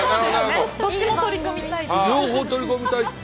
どっちも取り込みたいという。